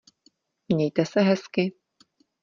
Mějte se hezky